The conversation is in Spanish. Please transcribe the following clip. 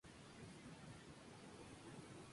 Se usa más en plural.